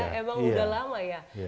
emang udah lama ya